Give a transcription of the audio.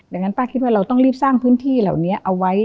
ดังนั้นป้าคิดว่าเราต้องรีบสร้างพื้นที่เหล่านี้เอาไว้